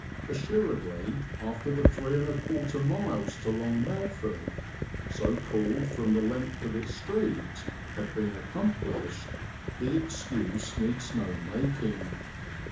Assuredly after the 3 1/4 miles to Long Melford, so called from the length of its street, have been accomplished the excuse needs no making.